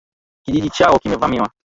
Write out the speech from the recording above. Kijiji chao kimevamiwa.